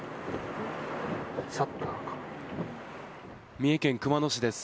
三重県熊野市です。